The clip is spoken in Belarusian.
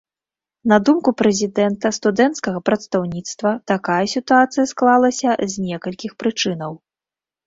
На думку прэзідэнта студэнцкага прадстаўніцтва, такая сітуацыя склалася з некалькіх прычынаў.